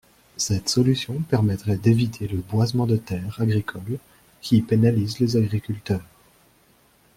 Cette solution permettrait d’éviter le boisement de terres agricoles, qui pénalise les agriculteurs.